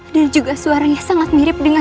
dan juga suaranya sangat mirip dengan